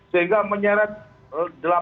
sehingga menyeret delapan puluh tiga loh